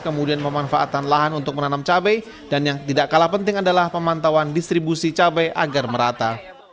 kemudian pemanfaatan lahan untuk menanam cabai dan yang tidak kalah penting adalah pemantauan distribusi cabai agar merata